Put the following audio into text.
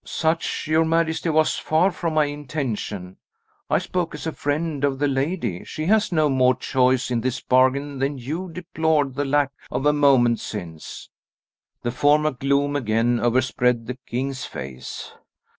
"Such, your majesty, was far from my intention. I spoke as a friend of the lady. She has no more choice in this bargain than you deplored the lack of a moment since." The former gloom again overspread the king's face.